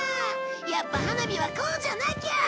やっぱ花火はこうじゃなきゃ！